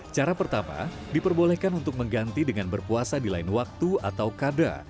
cara pertama diperbolehkan untuk mengganti dengan berpuasa di lain waktu atau kada